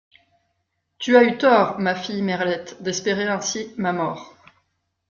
Tu as eu tort, ma fille Merlette, d’espérer ainsi ma mort.